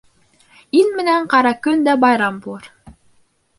Ил менән ҡара көн дә байрам булыр.